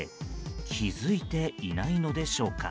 気づいていないのでしょうか。